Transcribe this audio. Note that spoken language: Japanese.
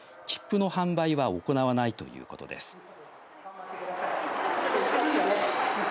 切符の販売は行わないということです。